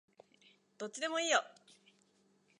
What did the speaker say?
どっちでもいいよ